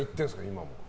今も。